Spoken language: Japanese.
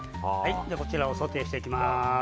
こちらをソテーしていきます。